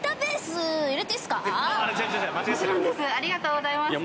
ありがとうございます。